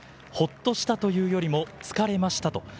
ほっとしたというよりも疲れました。